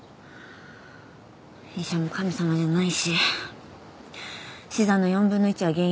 医者も神様じゃないし死産の４分の１は原因不明だし。